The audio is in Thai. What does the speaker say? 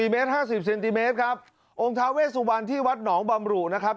เมตร๕๐เซนติเมตรครับองค์ท้าเวสุวรรณที่วัดหนองบำรุนะครับ